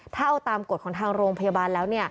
ถ้าเอาตามกฎของทางโรงพยาบาลแล้ว